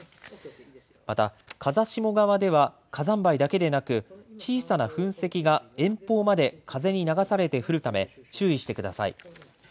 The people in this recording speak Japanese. また風下側では火山灰だけでなく小さな噴石が遠方まで風に流されて降るため注意してください。